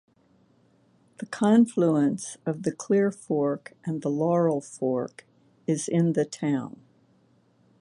The confluence of the Clear Fork and the Laurel Fork is in the town.